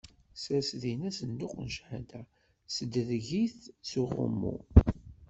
Sers dinna asenduq n cchada, ssedreg-it s uɣummu.